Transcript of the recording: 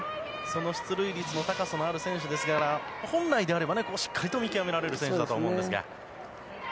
出塁率の高さもある選手ですから本来であればしっかりと見極められる選手だと思うんですが。